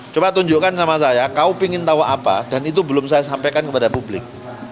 coba tunjukkan sama saya kau ingin tahu apa dan itu belum saya sampaikan kepada publik